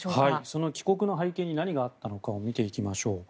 その帰国の背景に何があったのかを見ていきましょう。